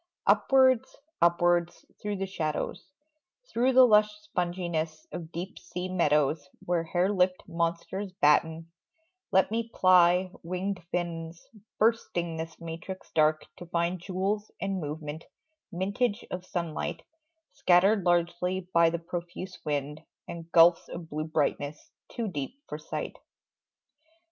Upwards, upwards through the shadows, Through the lush sponginess of deep sea meadows Where hare lipped monsters batten, let me ply Winged fins, bursting this matrix dark to find Jewels and movement, mintage of sunlight Scattered largely by the profuse wind, And gulfs of blue brightness, too deep for sight.